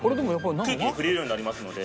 空気に触れるようになりますので。